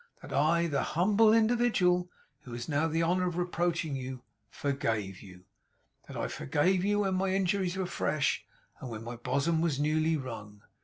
that I the humble individual who has now the honour of reproaching you, forgave you. That I forgave you when my injuries were fresh, and when my bosom was newly wrung.